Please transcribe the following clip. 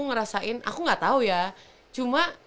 ngerasain aku gak tau ya cuma